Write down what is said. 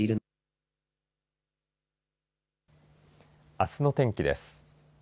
あすの天気です。